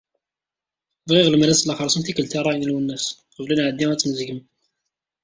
Bɣiɣ lemmer ad sleɣ xersum tikelt i rray n Lwennas qbel ad nεeddi ad tt-nezgem.